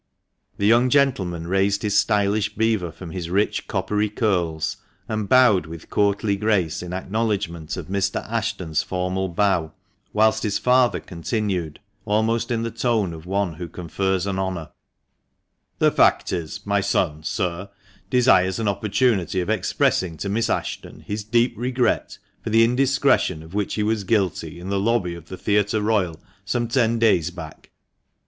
The young gentleman raised his stylish beaver from his rich coppery curls, and bowed with courtly grace in acknowledgment 246 THE MANCHESTER MAN. of Mr. Ashton's formal bow, whilst his father continued, almost in the tone of one who confers an honour — "The fact is, my son, sir, desires an opportunity of expressing to Miss Ashton his deep regret for the indiscretion of which he was guilty in the lobby of the Theatre Royal, some ten days back."